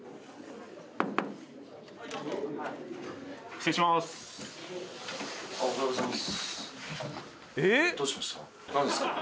失礼します。